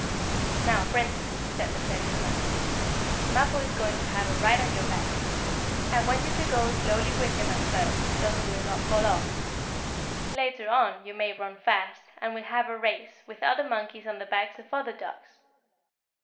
"Now, Prince," said the circus man, "Mappo is going to have a ride on your back. I want you to go slowly with him at first so he will not fall off. Later on, you may run fast, and we'll have a race, with other monkeys on the backs of other dogs.